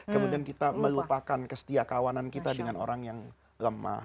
kemudian kita melupakan kesetiakawanan kita dengan orang yang lemah